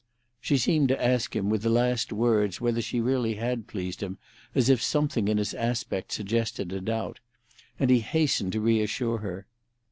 She seemed to ask him with the last words whether she really had pleased him, as if something in his aspect suggested a doubt; and he hastened to reassure her.